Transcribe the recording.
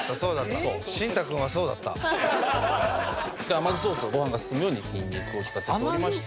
甘酢ソースをご飯が進むようにニンニクを利かせておりまして。